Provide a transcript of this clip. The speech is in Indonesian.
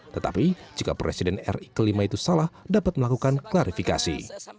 tetapi jika presiden ri kelima itu salah dapat melakukan klarifikasi